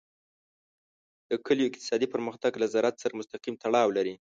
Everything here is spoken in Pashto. د کلیو اقتصادي پرمختګ له زراعت سره مستقیم تړاو لري.